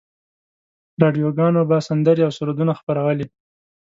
راډیوګانو به سندرې او سرودونه خپرولې.